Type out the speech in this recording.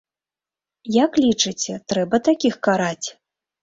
Як лічыце, трэба такіх караць?